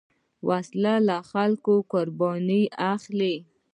وسله له خلکو قرباني اخلي